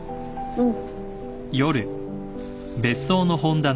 うん。